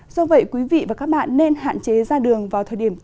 do vậy quý vị và các bạn nên hạn chế gia đình